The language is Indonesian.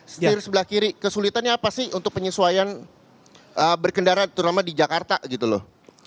setir sebelah kiri kesulitannya apa sih untuk penyesuaian berkendara terutama di jakarta gitu loh